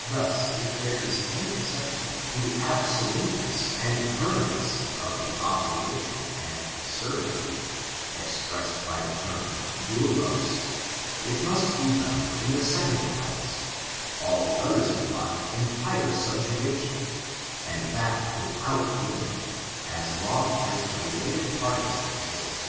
Thus, if there is any exception to the absohitenesa and permanency of the obligation, and ^e servitude, expressed by this term, dauiat, it must be found in the second class; all the others imply entire subjection, and that without limit, as long as the related parties exist.